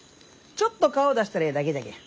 ちょっと顔出したらええだけじゃけん。